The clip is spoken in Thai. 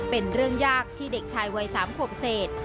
เป็นเรื่องยากที่เด็กชายวัย๓ขวบเศษ